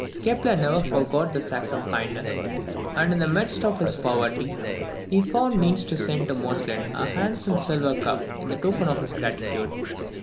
Kepler never forgot this act of kindness, and, in the midst of his poverty, he found means to send to Moestlin a handsome silver cup in token of his gratitude.